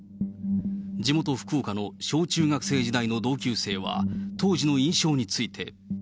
地元、福岡の小中学生時代の同級生は、当時の印象について。